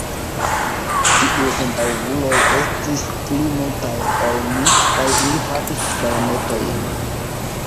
Tiuj sentaŭguloj estis pli multaj ol ni, kaj ili havis bajonetojn.